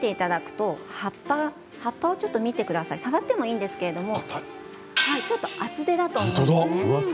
葉っぱをちょっと見てください触ってもいいんですけれどちょっと厚手だと思います。